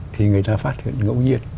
thì người ta phát hiện ngẫu nhiên